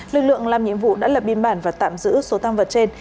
lực lượng làm nhiệm vụ đã lập biên bản và tạm giữ số tăng vật trên